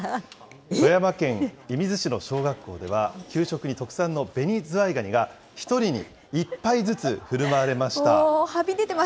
富山県射水市の小学校では、給食に特産のベニズワイガニが、１人に１パイずつふるまわれました。